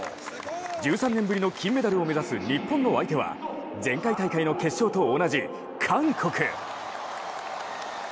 １３年ぶりの金メダルを目指す日本の相手は前回大会の決勝と同じ韓国。